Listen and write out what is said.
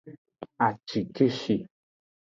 Acikeshi.